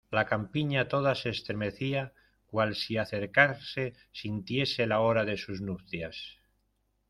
la campiña toda se estremecía cual si acercarse sintiese la hora de sus nupcias